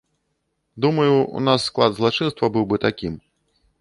Думаю, у нас склад злачынства быў бы такім.